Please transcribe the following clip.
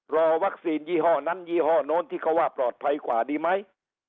รอวัคซีนยี่ห้อนั้นยี่ห้อโน้นที่เขาว่าปลอดภัยกว่าดีไหม